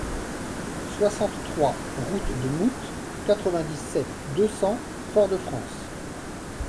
soixante-trois route de Moutte, quatre-vingt-dix-sept, deux cents, Fort-de-France